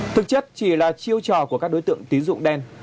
thực chất chỉ là chiêu trò của các đối tượng tín dụng đen